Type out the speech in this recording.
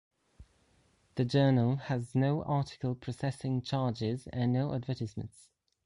The journal has no article processing charges and no advertisements.